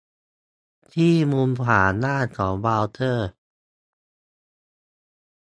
ที่มุมขวาล่างของเบราว์เซอร์